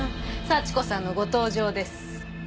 幸子さんのご登場です。